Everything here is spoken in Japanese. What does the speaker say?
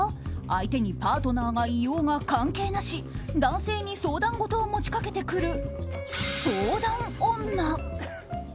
相手にパートナーがいようが関係なし男性に相談事を持ちかけてくる相談女。